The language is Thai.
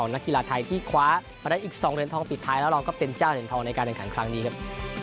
นักกีฬาไทยที่คว้าไปได้อีก๒เหรียญทองปิดท้ายแล้วเราก็เป็นเจ้าเหรียญทองในการแข่งขันครั้งนี้ครับ